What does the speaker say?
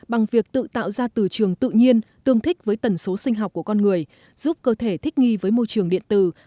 bằng việc tự tạo ra từ trường tự nhiên tương thích với tần số sinh học của con người giúp cơ thể thích nghi với môi trường điện tử